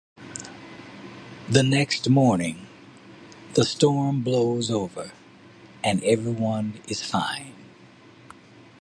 The next morning, the storm blows over, and everyone is fine.